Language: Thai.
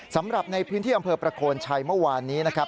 สำหรับในพื้นที่อำเภอประโคนชัยเมื่อวานนี้นะครับ